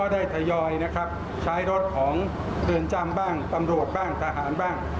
ทยอยนะครับใช้รถของเรือนจำบ้างตำรวจบ้างทหารบ้าง